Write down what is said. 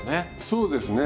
そうですね。